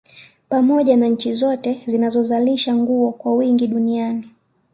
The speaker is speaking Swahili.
Pamoja na nchi zote zinazozalisha nguo kwa wingi Duniani